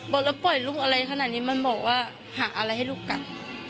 บอกแล้วปล่อยลูกอะไรขนาดนี้มันบอกว่าหาอะไรให้ลูกกัน